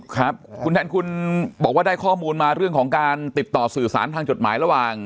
ครับคุณแทนคุณบอกว่าได้ข้อมูลมาเรื่องของการติดต่อสื่อสารทางจดหมายระหว่าง